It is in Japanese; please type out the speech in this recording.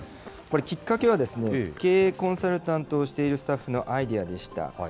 これ、きっかけは経営コンサルタントをしているスタッフのアイデアでした。